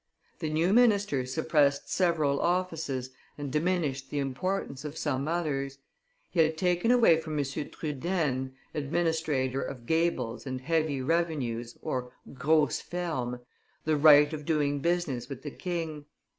The new minister suppressed several offices and diminished the importance of some others; he had taken away from M. Trudaine, administrator of gabels and heavy revenues (grosses fermes), the right of doing business with the king; M.